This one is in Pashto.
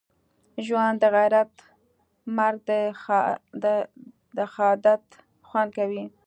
ژوند دغیرت مرګ دښهادت خوند کوی